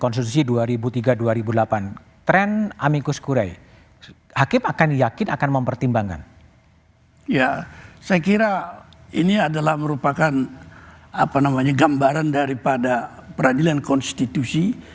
saya kira ini adalah merupakan gambaran daripada peradilan konstitusi